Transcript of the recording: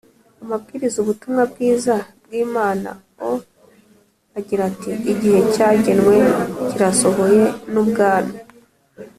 Abwiriza Ubutumwa Bwiza Bw Imana O Agira Ati Igihe Cyagenwe Kirasohoye N Ubwami